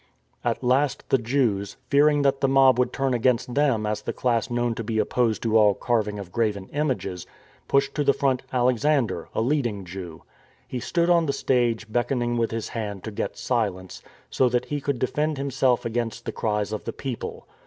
At last the Jews, fearing that the mob would turn against them as the class known to be opposed to all carving of graven images, pushed to the front Alex ander, a leading Jew. He stood on the stage beckon ing with his hand to get silence, so that he could defend himself against the cries of the people.